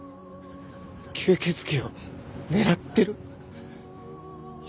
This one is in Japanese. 吸血鬼を狙ってる？